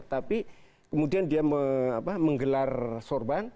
tapi kemudian dia menggelar sorban